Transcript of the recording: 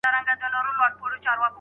زړه مې ستا د سترگو په آفت بې هوښه شوی دی